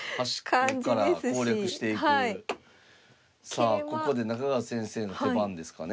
さあここで中川先生の手番ですかね。